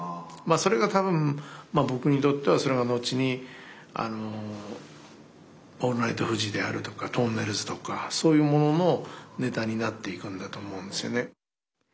それが多分僕にとってはそれが後に「オールナイトフジ」であるとかとんねるずとかそういうもののネタになっていくんだと思うんですよね。